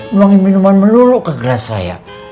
luangin minuman melulu ke gelas saya